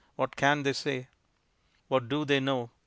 What can they say? What do they know?